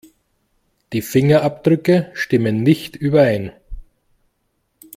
Die Fingerabdrücke stimmen nicht überein.